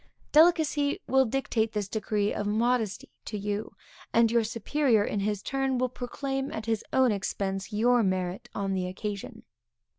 Delicacy will dictate this degree of modesty to you, and your superior in his turn will proclaim at his own expense, your merit on the occasion.